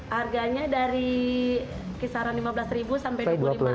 harganya dari kisaran lima belas ribu sampai dua puluh lima